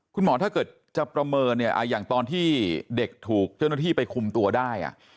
ถ้าเกิดจะประเมินเนี่ยอย่างตอนที่เด็กถูกเจ้าหน้าที่ไปคุมตัวได้